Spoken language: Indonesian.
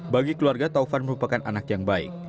bagi keluarga taufan merupakan anak yang baik